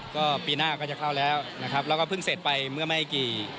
ก็ปีหน้าก็จะเข้าแล้วนะครับแล้วก็เพิ่งเสร็จไปเมื่อไม่กี่